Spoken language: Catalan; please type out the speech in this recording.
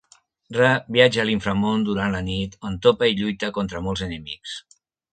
Ra viatja a l'inframón durant la nit on topa i lluita contra molts enemics.